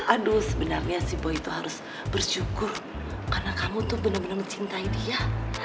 aduh sebenarnya si bo itu harus bersyukur karena kamu tuh bener bener mencintai dia